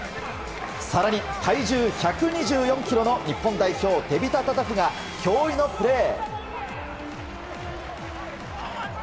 更に、体重１２４ｋｇの日本代表、テビタ・タタフが驚異のプレー！